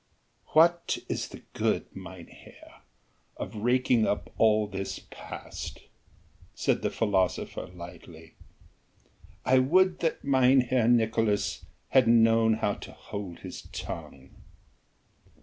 "What is the good, mynheer, of raking up all this past?" said the philosopher lightly, "I would that Mynheer Nicolaes had known how to hold his tongue."